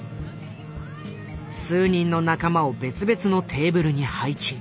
数人の仲間を別々のテーブルに配置。